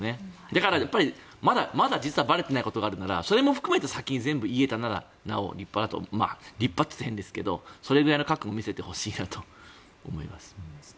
だからやっぱりまだばれていないことがあるならそれも含めて先に全部言えたならなお立派だなと立派というと変ですがそれぐらいの覚悟を見せてほしいなと思います。